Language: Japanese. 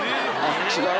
違う。